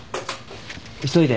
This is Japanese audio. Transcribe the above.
急いで！